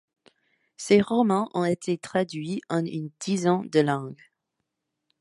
Ses romans ont été traduits en une dizaine de langues.